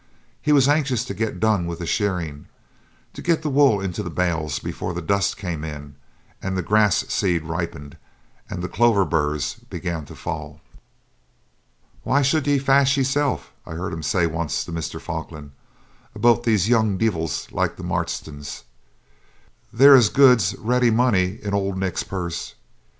He was anxious to get done with the shearing, to get the wool into the bales before the dust came in, and the grass seed ripened, and the clover burrs began to fall. 'Why should ye fash yoursel',' I heard him say once to Mr. Falkland, 'aboot these young deevils like the Marstons? They're as good's ready money in auld Nick's purse.